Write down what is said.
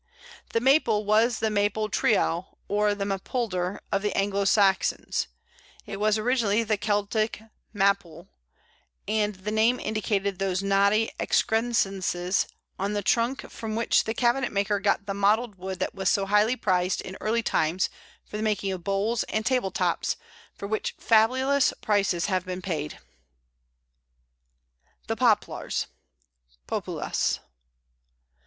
The Maple was the Mapel treow or Mapulder of the Anglo Saxons; it was originally the Celtic mapwl, and the name indicated those knotty excrescences on the trunk from which the cabinet maker got the mottled wood that was so highly prized in early times for the making of bowls and table tops, for which fabulous prices have been paid. [Illustration: Pl. 48. Sycamore winter.] The Poplars (Populus).